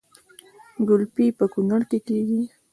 ګلپي په کونړ کې کیږي